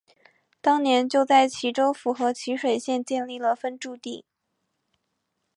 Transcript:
当年就在沂州府和沂水县建立了分驻地。